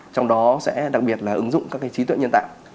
trong đó sẽ đặc biệt là ứng dụng các trí tuệ nhân tạo